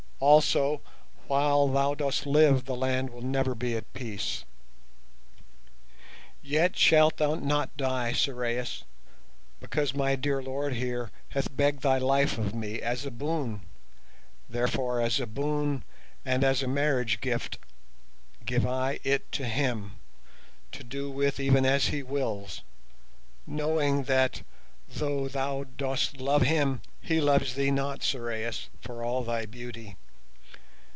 Also, while thou dost live the land will never be at peace. "Yet shalt thou not die, Sorais, because my dear lord here hath begged thy life of me as a boon; therefore as a boon and as a marriage gift give I it to him, to do with even as he wills, knowing that, though thou dost love him, he loves thee not, Sorais, for all thy beauty.